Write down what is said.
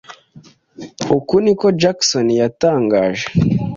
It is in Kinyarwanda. uku niko Jackson yatangaje